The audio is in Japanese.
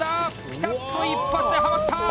ピタッと一発ではまった！